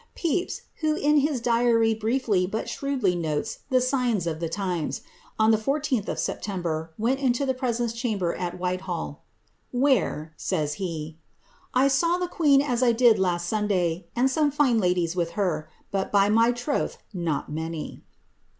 * Pepys, who in his Diary briefly but shrewdly notes the signs of the limes, on the 14th of September, went into the presence chamber at Whitehall, ^^ where," says he, ^^ I saw the queen as 1 did last Sunday, and some fine ladies with her, but, by my troth, not many."